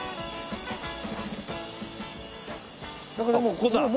ここだ。